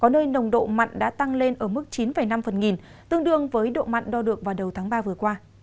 nơi nồng độ mặn đã tăng lên ở mức chín năm phần nghìn tương đương với độ mặn đo được vào đầu tháng ba vừa qua